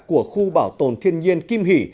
của khu bảo tồn thiên nhiên kim hỷ